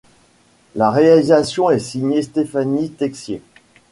La réalisation est signée Stéphanie Texier.